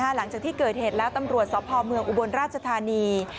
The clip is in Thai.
หลังจากที่เกิดเหตุแล้วตำรวจสพเมืองอุบลราชธานี